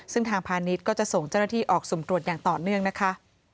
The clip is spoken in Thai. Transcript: ซึ่งทางพาณิชย์ก็จะส่งเจ้าหน้าที่ออกสุ่มตรวจอย่างต่อเนื่องนะคะ